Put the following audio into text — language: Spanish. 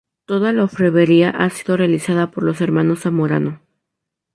Toda la orfebrería ha sido realizada por los Hermanos Zamorano.